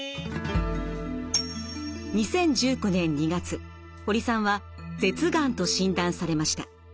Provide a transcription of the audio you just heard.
２０１９年２月堀さんは舌がんと診断されました。